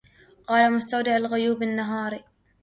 قال مستودع الغيوب النهاري